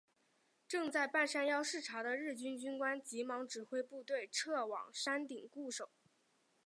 正在半山腰视察的日军军官急忙指挥部队撤往山顶固守。